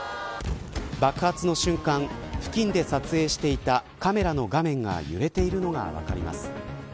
爆発の瞬間付近で撮影していたカメラの画面が揺れているのが分かります。